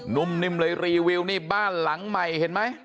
นุ่มนิ่มเลยรีวิวนี่บ้านหลังใหม่เห็นไหม